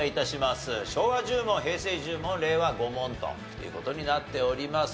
昭和１０問平成１０問令和５問という事になっております。